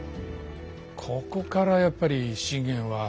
ここからやっぱり信玄は。